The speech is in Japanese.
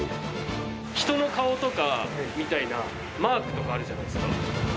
人の顔とかみたいなマークとかあるじゃないですか。